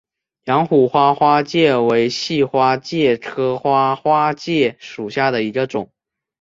阳虎花花介为细花介科花花介属下的一个种。